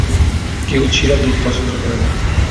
কেউ ছিঁড়া দুধ পছন্দ করে না।